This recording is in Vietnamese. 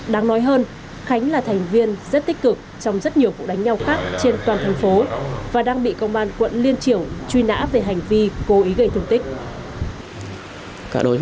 đáng nói hơn khánh là thành viên rất tích cực trong rất nhiều vụ đánh nhau khác trên toàn thành phố và đang bị công an quận liên triểu truy nã về hành vi cố ý gây thương tích